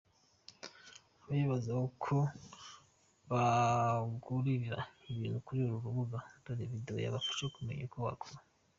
Abibaza uko bagurira ibintu kuri uru rubuga, dore video yabafasha kumenya uko bikorwa.